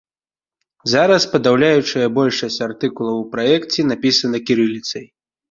Зараз падаўляючая большасць артыкулаў у праекце напісана кірыліцай.